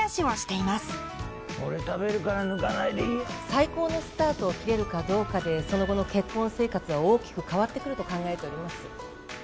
最高のスタートを切れるかどうかでその後の結婚生活は大きく変わってくると考えております。